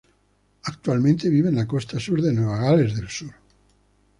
Actualmente vive en la costa sur de Nueva Gales del Sur.